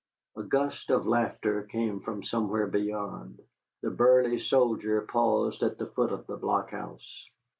A gust of laughter came from somewhere beyond. The burly soldier paused at the foot of the blockhouse.